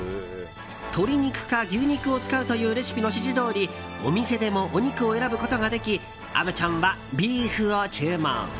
鶏肉か牛肉を使うというレシピの指示どおりお店でもお肉を選ぶことができ虻ちゃんはビーフを注文。